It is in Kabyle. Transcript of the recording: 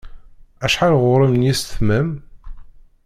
Acḥal ɣur-m n yisetma-m?